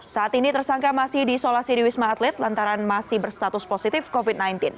saat ini tersangka masih diisolasi di wisma atlet lantaran masih berstatus positif covid sembilan belas